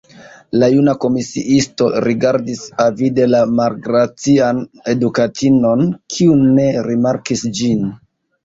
La juna komisiisto rigardis avide la malgracian edukatinon, kiu ne rimarkis ĝin.